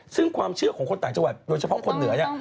ซึ่งความเชื่อของคนต่างจังหวัดโดยเฉพาะคนเหนือเนี่ย